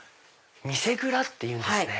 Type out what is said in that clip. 店蔵っていうんですね。